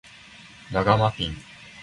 ラガマフィン